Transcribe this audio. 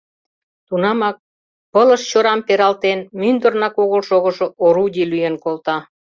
Тунамак, пылышчорам пералтен, мӱндырнак огыл шогышо орудий лӱен колта.